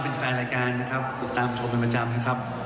เป็นแฟนรายการนะครับตามชมกันประจำนะครับ